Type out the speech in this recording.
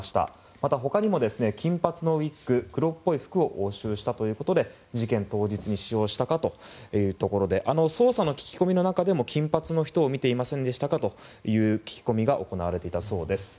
また、ほかにも金髪のウィッグ黒っぽい服を押収したということで事件当日に使用したかというところで捜査の聞き込みの中でも金髪の人を見ていませんかという聞き込みが行われていたそうです。